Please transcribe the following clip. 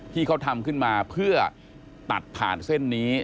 ที่เขาทำขึ้นมาเพื่อตัดผ่านเส้นนี้